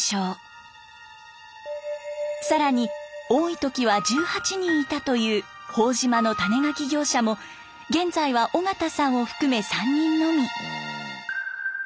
更に多い時は１８人いたという朴島の種ガキ業者も現在は尾形さんを含め３人のみ。